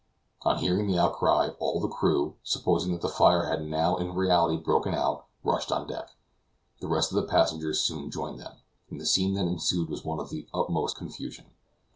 On hearing the outcry, all the crew, supposing that the fire had now in reality broken out, rushed on deck; the rest of the passengers soon joined them, and the scene that ensued was one of the utmost confusion.